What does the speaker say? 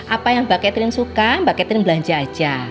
apa yang mbak katrin suka mbak katrin belanja aja